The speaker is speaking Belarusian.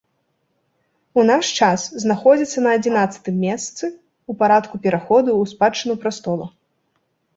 У наш час знаходзіцца на адзінаццатым месцы ў парадку пераходу ў спадчыну прастола.